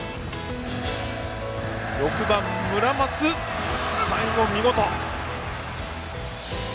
６番、村松には最後、見事。